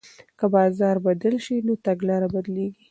که بازار بدل شي نو تګلاره بدلیږي.